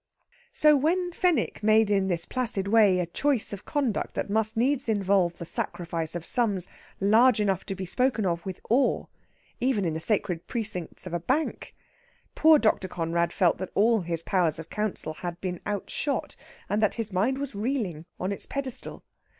So, when Fenwick made in this placid way a choice of conduct that must needs involve the sacrifice of sums large enough to be spoken of with awe, even in the sacred precincts of a bank, poor Dr. Conrad felt that all his powers of counsel had been outshot, and that his mind was reeling on its pedestal.